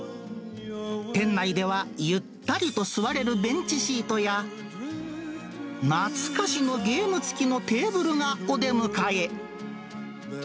店内では、ゆったりと座れるベンチシートや、懐かしのゲーム付きのテーブルがお出迎え。